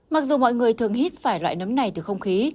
mặc dù mọi người thường hít phải loại nấm này từ không khí